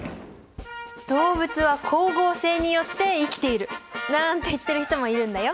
「動物は光合成によって生きている」なんて言ってる人もいるんだよ。